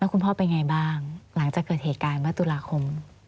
คุณพ่อเป็นไงบ้างหลังจากเกิดเหตุการณ์เมื่อตุลาคม